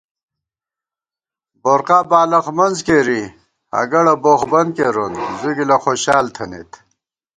بورقا بالخ منزکېری ہگَڑہ بوخ بند کېرون زُوگِلہ خوشال تھنَئیت